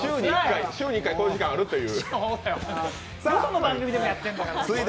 週に１回こういう時間あるという。